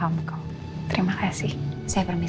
faham kau terima kasih saya permisi